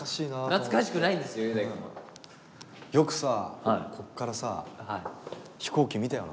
よくさこっからさ飛行機見たよな。